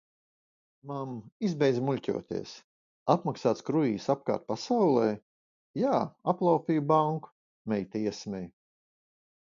"Mamm, izbeidz muļķoties". Apmaksāts kruīzs apkārt pasaulei? "Jā, aplaupīju banku," meita iesmej.